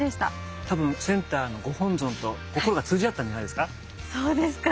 多分センターのご本尊と心が通じ合ったんじゃないですか？